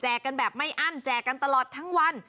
กันแบบไม่อั้นแจกกันตลอดทั้งวัน